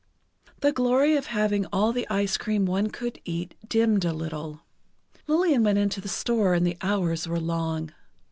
The glory of having all the ice cream one could eat dimmed a little. Lillian went into the store and the hours were long.